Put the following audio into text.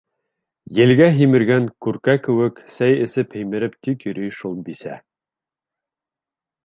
Елгә һимергән күркә кеүек, сәй эсеп һимереп тик йөрөй шул бисә.